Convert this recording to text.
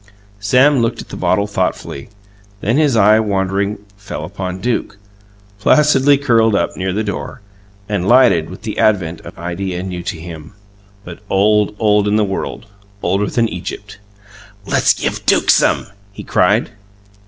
Sam looked at the bottle thoughtfully; then his eye, wandering, fell upon Duke, placidly curled up near the door, and lighted with the advent of an idea new to him, but old, old in the world older than Egypt! "Let's give Duke some!" he cried.